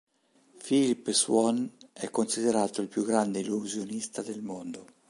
Philip Swann è considerato il più grande illusionista del mondo.